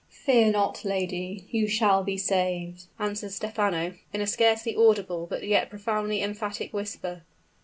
"Fear not, lady; you shall be saved!" answered Stephano, in a scarcely audible but yet profoundly emphatic whisper.